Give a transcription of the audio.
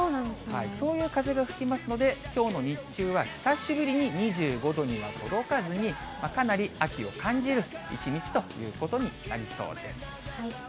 そういう風が吹きますので、きょうの日中は久しぶりに２５度には届かずに、かなり秋を感じる一日ということになりそうです。